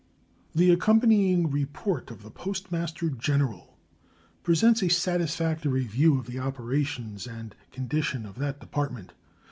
The accompanying report of the Postmaster General presents a satisfactory view of the operations and condition of that Department.